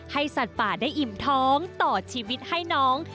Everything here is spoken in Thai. สัตว์ป่าได้อิ่มท้องต่อชีวิตให้น้อง